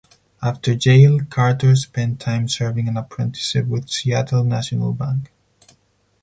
After Yale, Carter spent time serving an apprenticeship with Seattle National Bank.